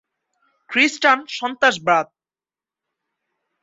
খ্রিস্টান সন্ত্রাসবাদ